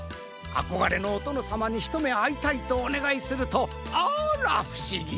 あこがれのおとのさまにひとめあいたいとおねがいするとあらふしぎ！